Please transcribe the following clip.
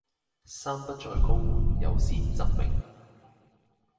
山不在高，有仙則名